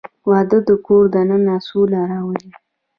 • واده د کور دننه سوله راولي.